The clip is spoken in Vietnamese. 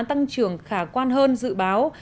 tăng trưởng khả quan hơn dự báo